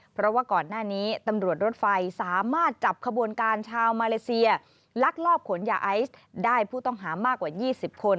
เพราะว่าก่อนหน้านี้ตำรวจรถไฟสามารถจับขบวนการชาวมาเลเซียลักลอบขนยาไอซ์ได้ผู้ต้องหามากกว่า๒๐คน